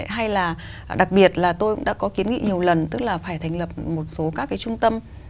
hay là đặc biệt là tôi cũng đã có kiến nghị nhiều lần tức là phải thành lập một số các cái trung tâm